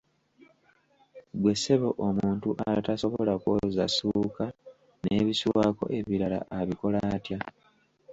Ggwe ssebo omuntu atasobola kwoza ssuuka n'ebisulwako ebirala abikola atya?